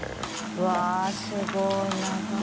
うわぁすごいな。